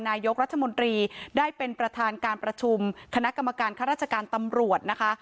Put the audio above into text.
นายกรัฐมนตรีได้เป็นประธานการประชุมคณะกรรมการข้าราชการตำรวจนะคะ